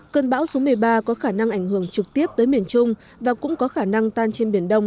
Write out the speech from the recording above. cơn bão số một mươi ba có khả năng ảnh hưởng trực tiếp tới miền trung và cũng có khả năng tan trên biển đông